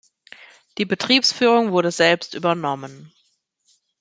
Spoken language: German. Die Betriebsführung wurde selbst übernommen.